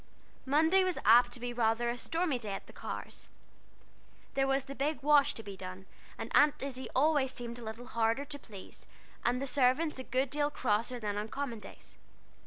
Monday was apt to be rather a stormy day at the Carrs'. There was the big wash to be done, and Aunt Izzie always seemed a little harder to please, and the servants a good deal crosser than on common days.